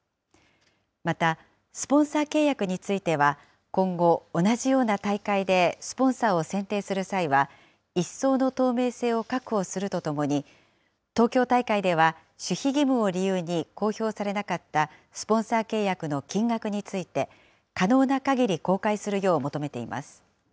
また、スポンサー契約については、今後、同じような大会でスポンサーを選定する際は、一層の透明性を確保するとともに、東京大会では守秘義務を理由に公表されなかったスポンサー契約の金額について、可能なかぎり公開するよう求めています。